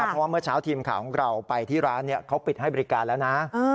เพราะว่าเมื่อเช้าทีมข่าวของเราไปที่ร้านเขาปิดให้บริการแล้วนะ